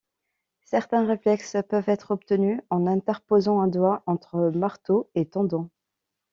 Certains réflexes peuvent être obtenus en interposant un doigt entre marteau et tendon.